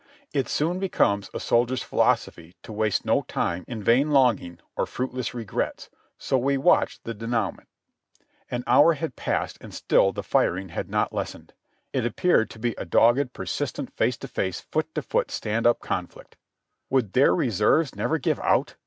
It soon becomes a soldier's philosophy to waste no time in vain longing or fruitless regrets, so we watched the de nouement. An hour had passed and still the firing had not lessened. It appeared to be a dogged, persistent, face to face, foot to foot, stand up conflict. "Would their reserves never give out?"